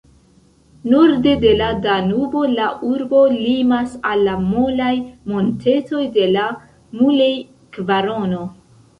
Norde de la Danubo la urbo limas al la molaj montetoj de la Mulej-kvarono.